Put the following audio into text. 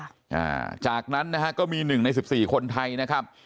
อ่าจากนั้นนะฮะก็มีหนึ่งในสิบสี่คนไทยนะครับ